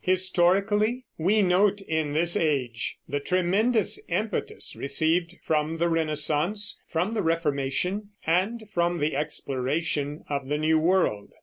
Historically, we note in this age the tremendous impetus received from the Renaissance, from the Reformation, and from the exploration of the New World.